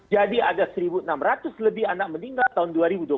jadi ada satu enam ratus lebih anak meninggal tahun dua ribu dua puluh satu